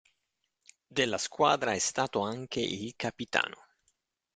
Della squadra è stato anche il capitano.